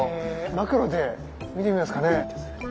マクロで見てみますかね。